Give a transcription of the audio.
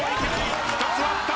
２つ割った。